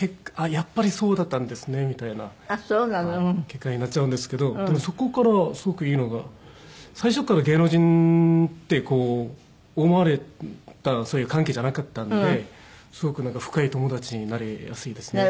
結果になっちゃうんですけどでもそこからすごくいいのが最初から芸能人って思われたそういう関係じゃなかったんですごく深い友達になりやすいですね。